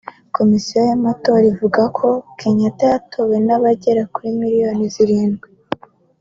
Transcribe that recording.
Komisiyo y’amatora ivuga ko Kenyatta yatowe n’abagera kuri miliyoni zirindwi